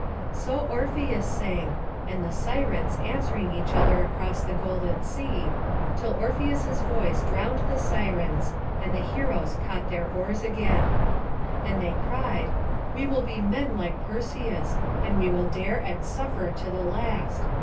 So Orpheus sang, and the Sirens, answering each other across the golden sea, till Orpheus's voice drowned the Sirens, and the heroes caught their oars again. And they cried: "We will be men like Perseus, and we will dare and suffer to the last.